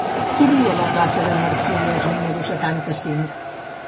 Qui viu a la plaça de Marquilles número setanta-cinc?